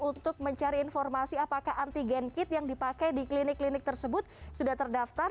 untuk mencari informasi apakah antigen kit yang dipakai di klinik klinik tersebut sudah terdaftar